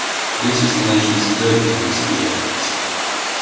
This was the nation's third appearance at the Olympics.